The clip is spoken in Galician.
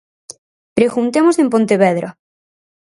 Preguntemos en Pontevedra.